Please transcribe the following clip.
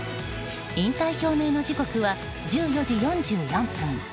引退表明の時刻は１４時４４分。